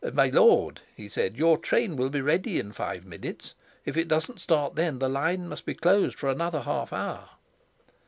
"My lord," he said, "your train will be ready in five minutes; if it doesn't start then, the line must be closed for another half hour."